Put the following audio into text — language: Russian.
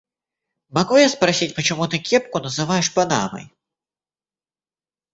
Могу я спросить, почему ты кепку называешь панамой?